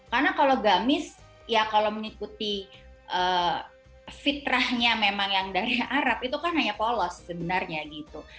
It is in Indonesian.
karena kalau gamis ya kalau mengikuti fitrahnya memang yang dari arab itu kan hanya polos sebenarnya gitu